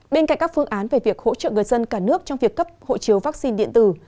bên cạnh các phương án về việc hỗ trợ người dân cả nước trong việc cấp hộ chiếu vaccine điện tử